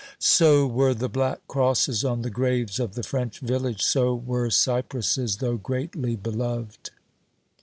So were the black crosses on the graves of the French village; so were cypresses, though greatly beloved.